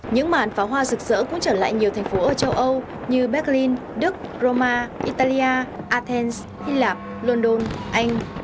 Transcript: những màn pháo hoa rực rỡ cũng trở lại nhiều thành phố ở châu âu như berlin đức roma italia athens hy lạp london anh